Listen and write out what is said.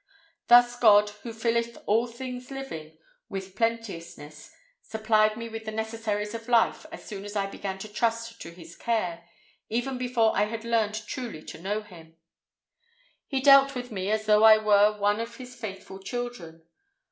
Thus God, who 'filleth all things living with plenteousness,' supplied me with the necessaries of life, as soon as I began to trust to His care; even before I had learned truly to know Him, He dealt with me as though I were one of His faithful children.